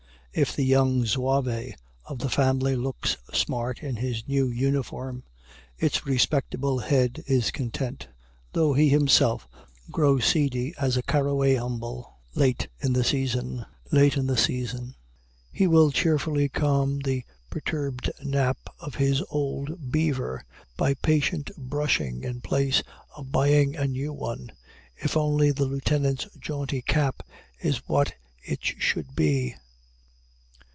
If the young Zouave of the family looks smart in his new uniform, its respectable head is content, though he himself grow seedy as a caraway umbel late in the season. He will cheerfully calm the perturbed nap of his old beaver by patient brushing in place of buying a new one, if only the Lieutenant's jaunty cap is what it should be.